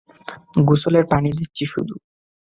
গোসলের পানি দিচ্ছি শুধু।